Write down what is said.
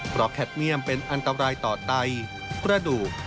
เพราะแคทเมี่ยมเป็นอันตรายต่อไตกระดูก